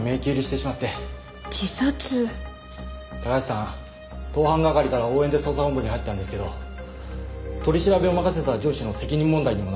高橋さん盗犯係から応援で捜査本部に入ったんですけど取り調べを任せた上司の責任問題にもなったんだそうで。